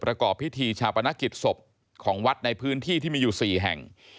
ประกอบพิธีชาปนกิจศพของวัดในพื้นที่ที่มีอยู่๔แห่ง